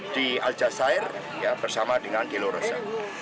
di aljazeera bersama dengan di lurusa